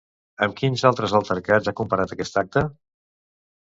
Amb quins altres altercats ha comparat aquest acte?